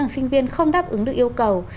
sinh viên không đáp ứng được yêu cầu